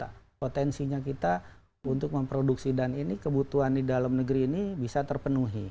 karena potensinya kita untuk memproduksi dan ini kebutuhan di dalam negeri ini bisa terpenuhi